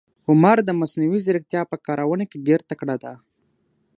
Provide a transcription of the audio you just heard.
عمر د مصنوي ځیرکتیا په کارونه کې ډېر تکړه ده.